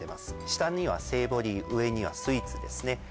下にはセイボリー上にはスイーツですね